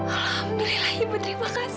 alhamdulillah ibu terima kasih